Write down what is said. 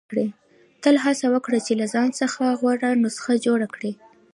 • تل هڅه وکړه چې له ځان څخه غوره نسخه جوړه کړې.